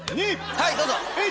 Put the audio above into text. はいどうぞ！